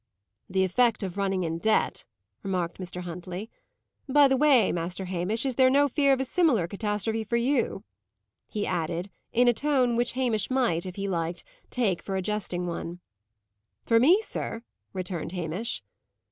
"The effect of running in debt," remarked Mr. Huntley. "By the way, Master Hamish, is there no fear of a similar catastrophe for you?" he added, in a tone which Hamish might, if he liked, take for a jesting one. "For me, sir?" returned Hamish.